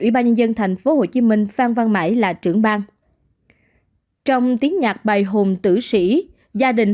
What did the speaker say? ủy ban nhân dân tp hcm phan văn mãi là trưởng bang trong tiếng nhạc bài hồn tử sĩ gia đình